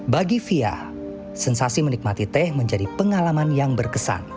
bagi fia sensasi menikmati teh menjadi pengalaman yang berkesan